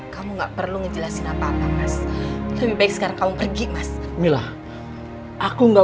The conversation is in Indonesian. kamu nggak perlu ngejelasin apa apa mas lebih baik sekarang kamu pergi mas millah aku nggak